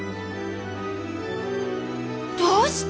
どうして！？